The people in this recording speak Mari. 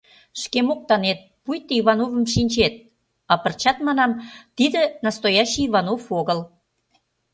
Шке моктанет: пуйто Ивановым шинчет, а пырчат, манам, тиде настоящий Иванов огыл.